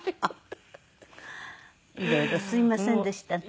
色々すいませんでしたね。